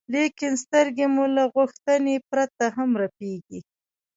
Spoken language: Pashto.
لیکن سترګې مو له غوښتنې پرته هم رپېږي.